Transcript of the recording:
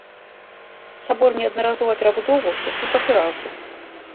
Сабор неаднаразова перабудоўваўся і пашыраўся.